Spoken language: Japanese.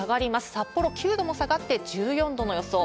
札幌９度も下がって１４度の予想。